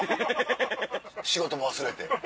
仕事も忘れて。